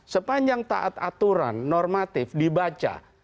sepanjang taat aturan normatif dibaca